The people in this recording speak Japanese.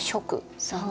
そう。